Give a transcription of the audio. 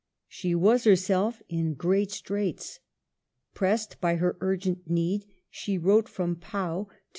She was her self in great straits. Pressed by her urgent need, she wrote from Pau to M.